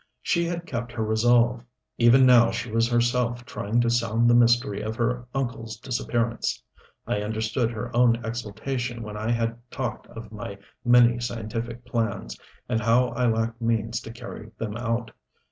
She had kept her resolve even now she was herself trying to sound the mystery of her uncle's disappearance. I understood her own exultation when I had talked of my many scientific plans, and how I lacked means to carry them out.